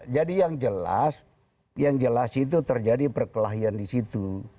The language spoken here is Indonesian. jadi yang jelas yang jelas itu terjadi perkelahian di situ